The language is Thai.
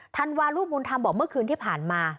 ธันวาลูกบุญธรรมบอกเมื่อคืนที่ผ่านมา